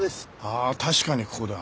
ああ確かにここだ。